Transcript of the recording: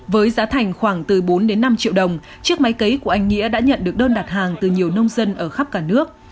với giá thành khoảng từ bốn đến năm triệu đồng chiếc máy cấy của anh nghĩa đã nhận được đơn đặt hàng từ nhiều nông dân ở khắp cả nước